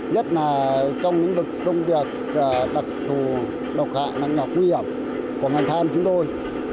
nhất là trong những công việc đặc thù độc hạ nặng nhọc nguy hiểm của ngành than chúng tôi